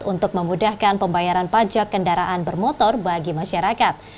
untuk memudahkan pembayaran pajak kendaraan bermotor bagi masyarakat